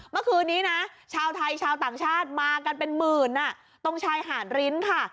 เมื่อคืนนี้นะชาวไทยชาวต่างชาติมากันเป็นหมื่นตรงชายหาดริ้นค่ะ